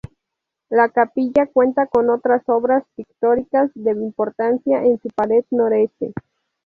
La capilla cuenta con otras obras pictóricas de importancia en su pared noreste.